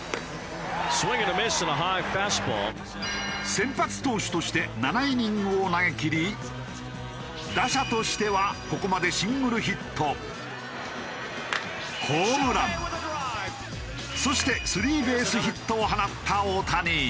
先発投手として７イニングを投げきり打者としてはここまでそしてスリーベースヒットを放った大谷。